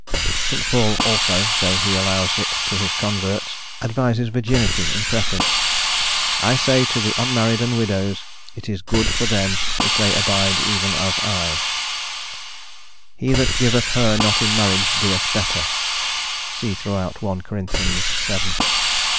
St. Paul also, though he allows it to his converts, advises virginity in preference: "I say to the unmarried and widows, It is good for them if they abide even as I;" "he that giveth her not in marriage doeth better" (see throughout 1 Cor. vii.)